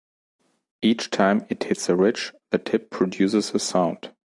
Each time it hits a ridge, the tip produces a sound.